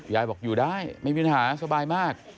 ยายบอกอยู่ได้ไม่มีปัญหาสบายมาก